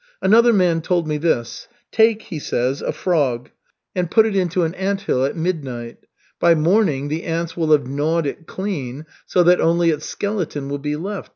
Another man told me this: 'Take,' he says, 'a frog, and put it into an anthill at midnight. By morning the ants will have gnawed it clean, so that only its skeleton will be left.